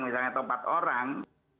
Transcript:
misalnya atau empat orang